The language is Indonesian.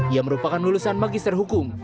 ia merupakan lulusan magister hukum